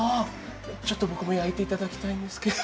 ちょっと僕も焼いていただきたいんですけど。